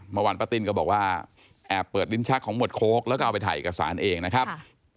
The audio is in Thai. ป้าติ้นก็บอกว่าแอบเปิดลิ้นชักของหมวดโค้กแล้วก็เอาไปถ่ายเอกสารเองนะครับ